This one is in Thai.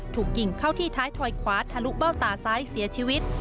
ถูกยิงเข้าที่ท้ายถอยขวาทะลุเบ้าตาซ้ายเสียชีวิต